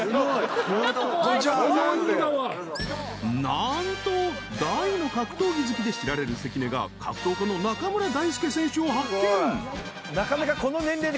［何と大の格闘技好きで知られる関根が格闘家の中村大介選手を発見］